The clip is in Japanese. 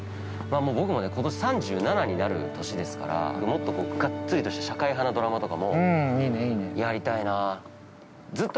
◆僕もね、ことし３７になる年ですからもっとがっつりとした社会派のドラマとかもやりたいなって。